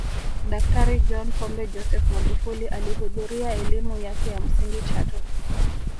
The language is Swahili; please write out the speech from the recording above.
Daktari John Pombe Joseph Magufuli alihudhuria elimu yake ya msingi chato